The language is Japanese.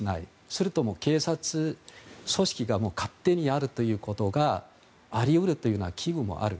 するともう、警察組織が勝手にやるということがあり得るという危惧もある。